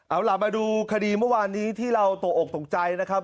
เอาล่ะมาดูคดีเมื่อวานนี้ที่เราตกอกตกใจนะครับ